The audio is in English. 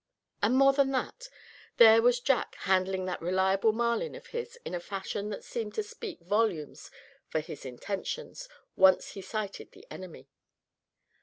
And more than that, there was Jack handling that reliable Marlin of his in a fashion that seemed to speak volumes for his intentions, once he sighted the enemy.